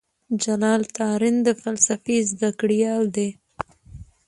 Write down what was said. جلال تارڼ د فلسفې زده کړيال دی.